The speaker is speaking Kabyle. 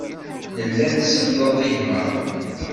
Nella nselleḍ igmaḍ.